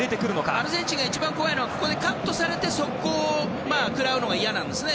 アルゼンチンが一番怖いのはここでカットされて速攻食らうのが嫌なんですね。